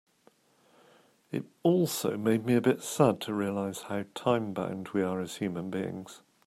It also made me a bit sad to realize how time-bound we are as human beings.